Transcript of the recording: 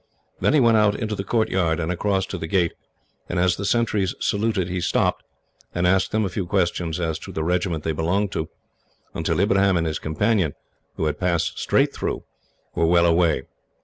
Then he went out into the courtyard, and across to the gate, and as the sentries saluted he stopped, and asked them a few questions as to the regiment they belonged to, until Ibrahim and his companion, who had passed straight through, were well away.